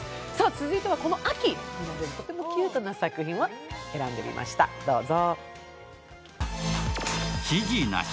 続いてはこの秋、出てきたとてもキュートな作品を選んでみました、どうぞ。